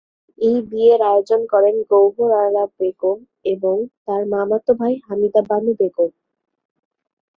এই বিয়ের আয়োজন করেন গওহর আরা বেগম এবং তার মামাতো ভাই হামিদা বানু বেগম।